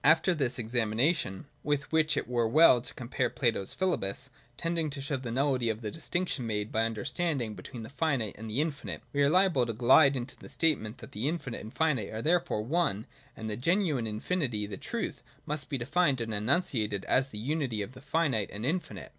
After this examination (with which it were well to compare Plato's Philebus), tending to show the nullity of the distinction made by understanding between the finite and the infinite, we are liable to glide into the statement that the infinite and the finite are therefore VOL. II. N 178 THE DOCTRINE OF BEING. [95 one, and that the genuine infinity, the truth, must be defined and enunciated as the unity of the finite and infinite.